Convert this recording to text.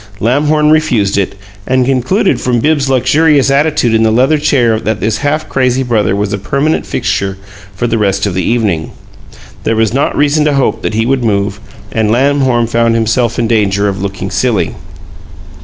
Lamhorn refused it, and concluded from Bibbs's luxurious attitude in the leather chair that this half crazy brother was a permanent fixture for the rest of the evening. There was not reason to hope that he would move, and Lamhorn found himself in danger of looking silly.